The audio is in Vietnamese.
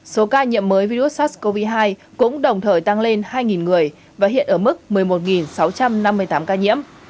số ca nhiễm mới virus sars cov hai cũng đồng thời tăng lên hai người và hiện ở mức một mươi một sáu trăm năm mươi tám ca nhiễm